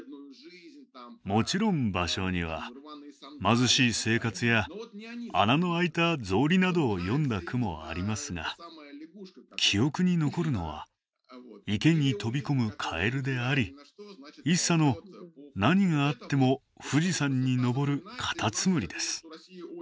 もちろん芭蕉には貧しい生活や穴の開いた草履などを詠んだ句もありますが記憶に残るのは池に飛び込むカエルであり一茶の何があっても富士山に登るカタツムリです。